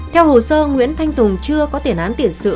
theo hồ sơ nguyễn thanh tùng chưa có tiền án tiền sự